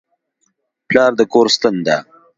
پلار د کور ستن ده.